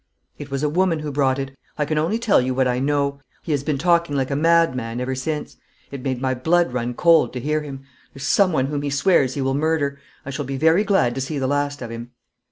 'It was a woman who brought it. I can only tell you what I know. He has been talking like a madman ever since. It made my blood run cold to hear him. There's someone whom he swears he will murder. I shall be very glad to see the last of him.'